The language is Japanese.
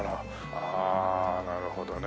ああなるほどね。